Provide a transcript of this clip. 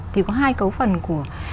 thì có hai cấu phần của